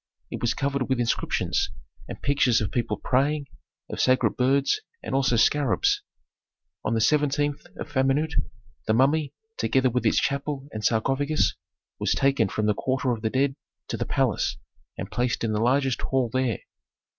It was covered with inscriptions, and pictures of people praying, of sacred birds and also scarabs. On the 17th of Famenut, the mummy, together with its chapel and sarcophagus, was taken from the quarter of the dead to the palace and placed in the largest hall there.